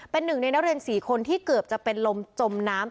เป็นหนึ่งในนักเรียน๔คนที่เกือบจะเป็นลมจมน้ำ